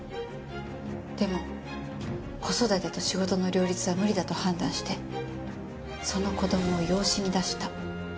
でも子育てと仕事の両立は無理だと判断してその子供を養子に出した。